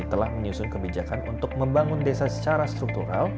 telah menyusun kebijakan untuk membangun desa secara struktural